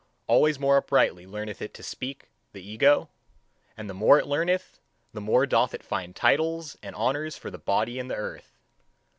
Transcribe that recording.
Always more uprightly learneth it to speak, the ego; and the more it learneth, the more doth it find titles and honours for the body and the earth.